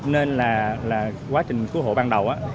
nên quá trình cứu hồ ban đầu